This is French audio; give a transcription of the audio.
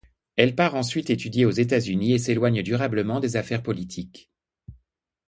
Elle part ensuite étudier aux États-Unis et s'éloigne durablement des affaires politiques.